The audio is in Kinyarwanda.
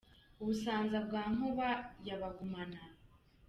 U Busanza bwa bwa Nkuba ya Bagumana.